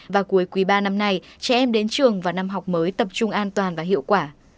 và cuối quý ba năm nay trẻ em đến trường vào năm học mới tập trung an toàn và hiệu quả